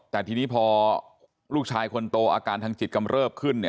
แต่ทีนี้พอลูกชายคนโตอาการทางจิตกำเริบขึ้น